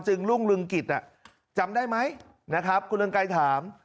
จึงรุ่งลึงกิจจำได้ไหมคุณเรียนไกล่ถาม